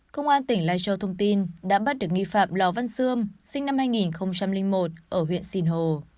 công an tỉnh lai châu thông tin đã bắt được nghi phạm lò văn xương sinh năm hai nghìn một ở huyện sìn hồ